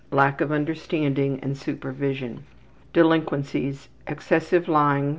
Lack of understanding and supervision. Delinquencies: Mentality: Excessive lying.